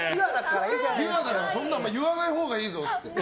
そんなの言わないほうがいいぞって。